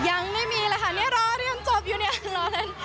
ยังไม่มีเลยค่ะนี่รอที่มันจบยังไงรอเนิน